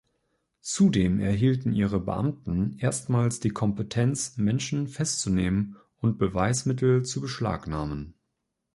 Zudem erhielten ihre Beamten erstmals die Kompetenz, Menschen festzunehmen und Beweismittel zu beschlagnahmen.